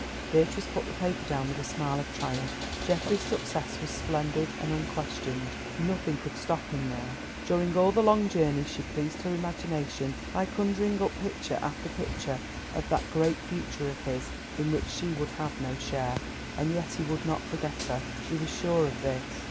Beatrice put the paper down with a smile of triumph. Geoffrey's success was splendid and unquestioned. Nothing could stop him now. During all the long journey she pleased her imagination by conjuring up picture after picture of that great future of his, in which she would have no share. And yet he would not forget her; she was sure of this.